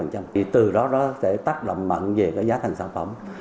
thì từ đó nó sẽ tác động mạnh về cái giá thành sản phẩm